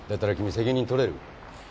責任取れる？